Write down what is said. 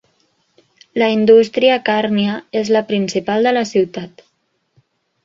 La indústria càrnia és la principal de la ciutat.